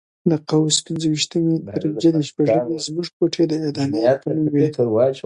له قوس پنځه ویشتمې تر جدي شپږمې زموږ کوټې د اعدامیانو په نوم وې.